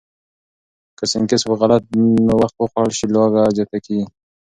که سنکس په غلط وخت وخوړل شي، لوږه زیاته کېږي.